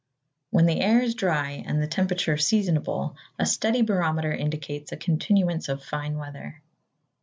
When the air is dry and the temperature seasonable, a steady barometer indicates a continuance of fine weather.